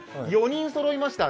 ４人そろいました。